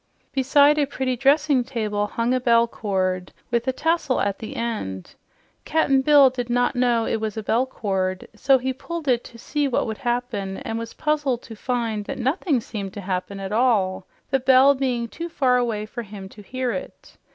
Beside a pretty dressing table hung a bell cord with a tassel at the end. Cap'n Bill did not know it was a bell cord, so he pulled it to see what would happen and was puzzled to find that nothing seemed to happen at all, the bell being too far away for him to hear it.